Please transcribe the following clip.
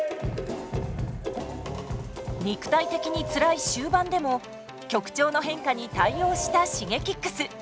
肉体的につらい終盤でも曲調の変化に対応したＳｈｉｇｅｋｉｘ。